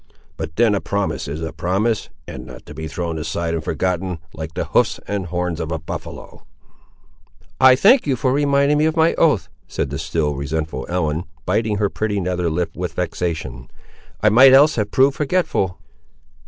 But then a promise is a promise, and not to be thrown aside and forgotten, like the hoofs and horns of a buffaloe." "I thank you for reminding me of my oath," said the still resentful Ellen, biting her pretty nether lip with vexation; "I might else have proved forgetful!"